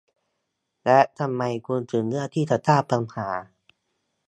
และทำไมคุณถึงเลือกที่จะสร้างปัญหา